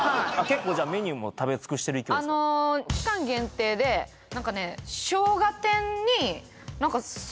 結構じゃあメニューも食べ尽くしてる勢いですか？